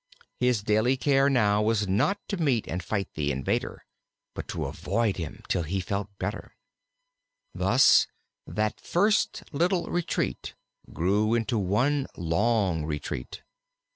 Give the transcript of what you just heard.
His daily care now was not to meet and fight the invader, but to avoid him till he felt better. Thus that first little retreat grew into one long retreat.